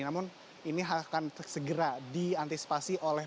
namun ini akan segera diantisipasi oleh